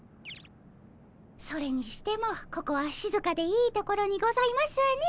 それにしてもここはしずかでいい所にございますね。